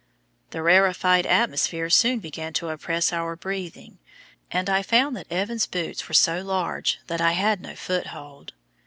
The rarefied atmosphere soon began to oppress our breathing, and I found that Evans's boots were so large that I had no foothold.